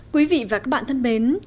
quý vị và các bạn thân mến